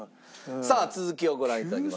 さあ続きをご覧頂きましょう。